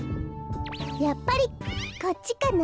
やっぱりこっちかな？